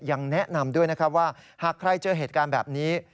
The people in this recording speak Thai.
ยังแนะนำด้วยนะครับว่าหากใครเจอเหตุการณ์แบบนี้